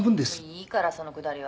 「いいからそのくだりは」